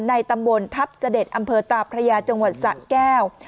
ในตำบลทัพเสด็จอำเภอตาพระยาจังหวัดสะแก้ว